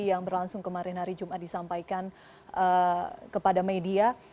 yang berlangsung kemarin hari jumat disampaikan kepada media